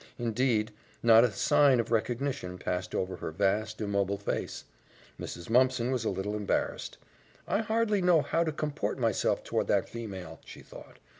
Indeed, not a sign of recognition passed over her vast, immobile face. Mrs. Mumpson was a little embarrassed. "I hardly know how to comport myself toward that female," she thought.